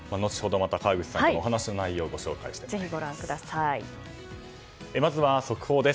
また川口さんにお話の内容をご紹介します。